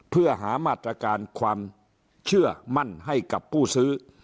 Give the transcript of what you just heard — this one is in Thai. เพื่อหามาตรการความเชื่อมั่นให้กับผู้ซื้อ